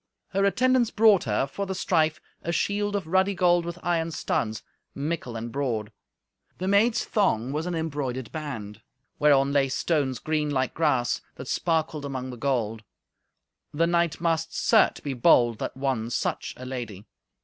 Her attendants brought her, for the strife, a shield of ruddy gold with iron studs, mickle and broad. The maid's thong was an embroidered band, whereon lay stones green like grass, that sparkled among the gold. The knight must, certes, be bold that won such a lady.